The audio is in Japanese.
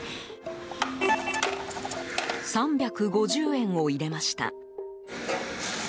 ３５０円を入れました。